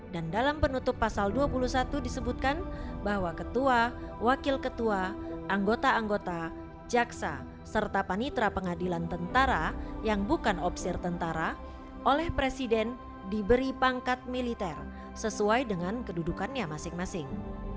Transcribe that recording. dan dalam penutup pasal dua puluh satu disebutkan bahwa ketua wakil ketua anggota anggota jaksa serta panitra pengadilan tentara yang bukan opsir tentara oleh presiden diberi pangkat militer sesuai dengan kedudukannya masing masing